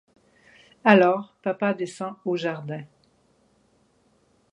Alors papa descend au jardin.